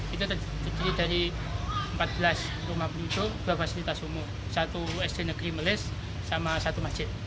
itu terdiri dari empat belas rumah penduduk dua fasilitas umum satu sd negeri meles sama satu masjid